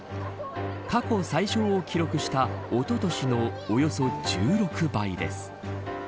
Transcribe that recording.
過去最少を記録したおととしの、およそ１６倍です。